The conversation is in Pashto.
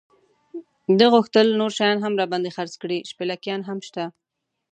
دې غوښتل نور شیان هم را باندې خرڅ کړي، شپلېکان هم شته.